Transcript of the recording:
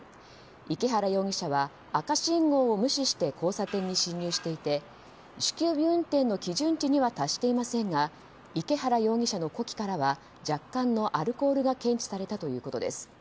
池原容疑者は赤信号を無視して交差点に進入していて酒気帯び運転の基準値には達していませんが池原容疑者の呼気からは若干のアルコールが検知されたということです。